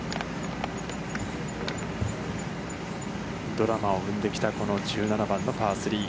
ドラマを生んできたこの１７番のパー３。